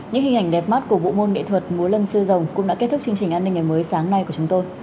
những hình ảnh đẹp mắt của bộ môn nghệ thuật múa lân sư rồng cũng đã kết thúc chương trình an ninh ngày mới sáng nay của chúng tôi